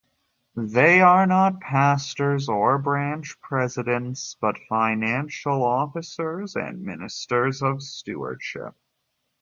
They are not pastors or branch presidents, but financial officers and ministers of stewardship.